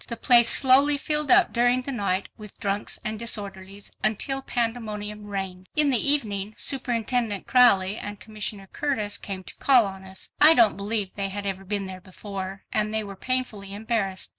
The place slowly filled up during the night with drunks and disorderlies until pandemonium reigned. In the evening, Superintendent Crowley and Commissioner Curtis came to call on us. I don't believe they had ever been there before, and they were painfully embarrassed.